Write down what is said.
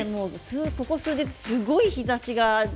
ここ数日すごい日ざしが。